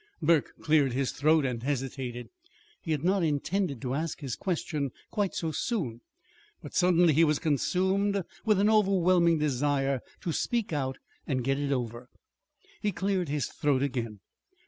Burke cleared his throat and hesitated. He had not intended to ask his question quite so soon; but suddenly he was consumed with an overwhelming desire to speak out and get it over. He cleared his throat again.